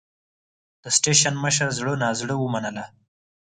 د سټېشن مشر زړه نازړه ومنله.